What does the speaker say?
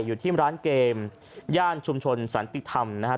อยู่ที่ร้านเกมย่านชุมชนสันติธรรมนะครับ